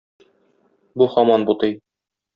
Бу һаман бутый.